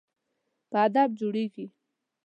په هدف جوړیږي.